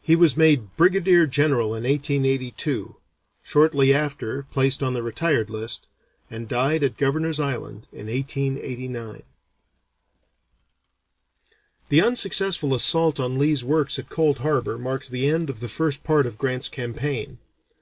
He was made brigadier general in 1882, shortly after placed on the retired list, and died at Governor's Island in 1889. The unsuccessful assault on Lee's works at Cold Harbor marked the end of the first part of Grant's campaign.